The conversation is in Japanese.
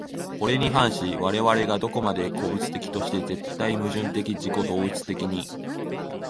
これに反し我々が何処までも個物的として、絶対矛盾的自己同一的に、